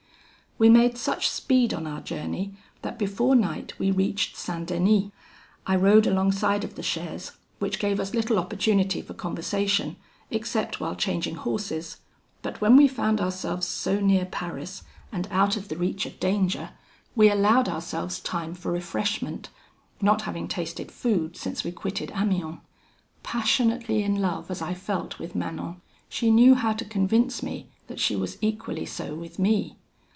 "We made such speed on our journey that before night we reached St. Denis. I rode alongside of the chaise, which gave us little opportunity for conversation, except while changing horses; but when we found ourselves so near Paris, and out of the reach of danger, we allowed ourselves time for refreshment, not having tasted food since we quitted Amiens. Passionately in love as I felt with Manon, she knew how to convince me that she was equally so with me.